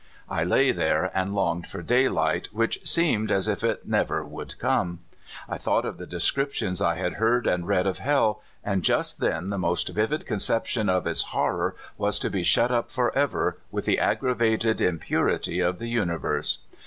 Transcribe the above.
I lay there and longed for daylight, which seemed as if it never would come. I thought of the descriptions I had heard and read of hell, and just then the most vivid conception of its horror was to be shut up forever with the aggregated im purity of the universe.